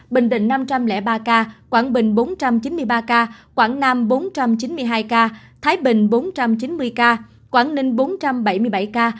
bình định năm trăm linh ba ca quảng bình bốn trăm chín mươi ba ca quảng nam bốn trăm chín mươi hai ca thái bình bốn trăm chín mươi ca quảng ninh bốn trăm bảy mươi bảy ca